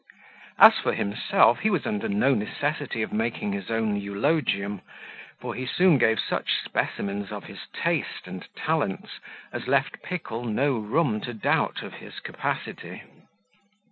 As for himself, he was under no necessity of making his own eulogium; for he soon gave such specimens of his taste and talents as left Pickle no room to doubt of his capacity.